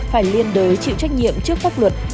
phải liên đối chịu trách nhiệm trước pháp luật